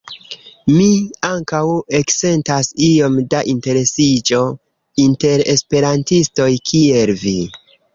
Mi ankaŭ eksentas iom da interesiĝo inter esperantistoj, kiel vi!